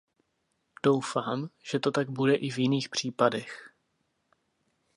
Doufám, že to tak bude i v jiných případech.